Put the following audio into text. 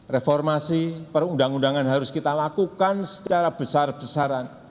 reformasi perundang undangan harus kita lakukan secara besar besaran